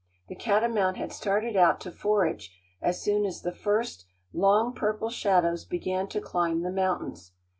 The catamount had started out to forage as soon as the first, long purple shadows began to climb the mountains.